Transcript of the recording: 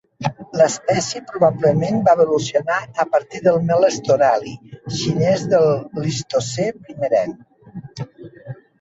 L'espècie probablement va evolucionar a partir del "Meles thorali" xinès del Plistocè primerenc.